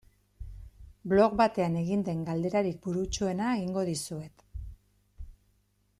Blog batean egin den galderarik burutsuena egingo dizuet.